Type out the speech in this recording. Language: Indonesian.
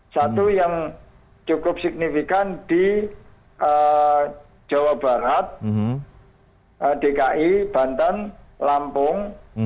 satu yang cukup signifikan di jawa barat dki banten lampung